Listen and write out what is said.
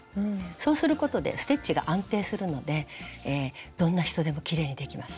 そうすることでステッチが安定するのでどんな人でもきれいにできます。